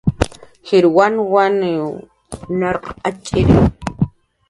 Jir wanwan narqus atx'iri